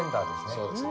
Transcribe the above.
そうですね。